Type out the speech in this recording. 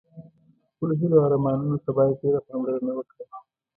خپلو هیلو او ارمانونو ته باید ډېره پاملرنه وکړه.